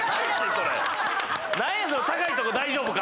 その「高いとこ大丈夫か？」